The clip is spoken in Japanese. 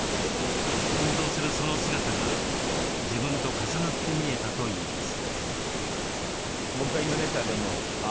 奮闘するその姿が自分と重なって見えたといいます。